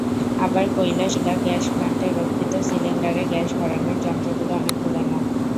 আবার কৈলাসটিলা গ্যাস প্লান্টে রক্ষিত সিলিন্ডারে গ্যাস ভরানোর যন্ত্রগুলো অনেক পুরোনো।